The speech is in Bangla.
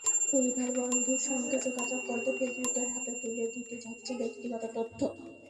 পরিবার-বন্ধুর সঙ্গে যোগাযোগ করতে ফেসবুকের হাতে তুলে দিতে হচ্ছে ব্যক্তিগত তথ্য।